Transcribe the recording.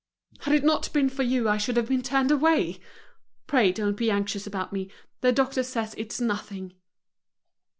Had it not been for you I should have been turned away. Pray don't be anxious about me, the doctor says its nothing."